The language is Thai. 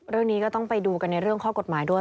เรื่องนี้ก็ต้องไปดูกันในเรื่องข้อกฎหมายด้วย